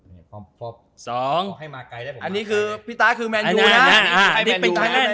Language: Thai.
ให้มาไก่ได้ันนี้คือพี่ต้าคือแมนยูนะ